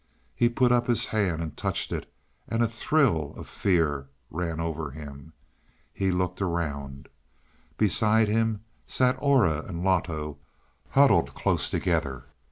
He put up his hand and touched it, and a thrill of fear ran over him. He looked around. Beside him sat Aura and Loto, huddled close together.